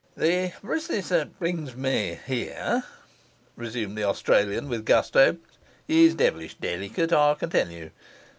'The business that brings me here,' resumed the Australian with gusto, 'is devilish delicate, I can tell you.